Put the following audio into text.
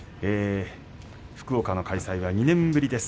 福岡の開催が２年ぶりです。